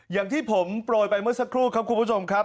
อย่างที่ผมโปรยไปเมื่อสักครู่ครับคุณผู้ชมครับ